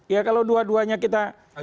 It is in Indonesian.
ya kalau dua duanya kita